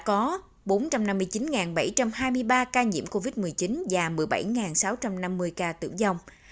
hiện nay tp hcm đã có bốn trăm năm mươi chín bảy trăm hai mươi ba ca nhiễm covid một mươi chín và một mươi bảy sáu trăm năm mươi ca tử dòng